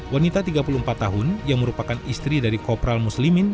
wanita tiga puluh empat tahun yang merupakan istri dari kopral muslimin